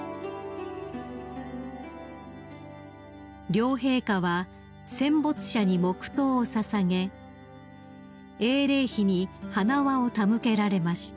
［両陛下は戦没者に黙とうを捧げ英霊碑に花輪を手向けられました］